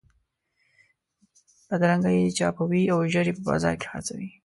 بېدرنګه یې چاپوئ او ژر یې په بازار کې خرڅوئ.